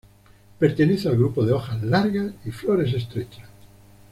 Pertenece al grupo de hojas largas y flores estrechas.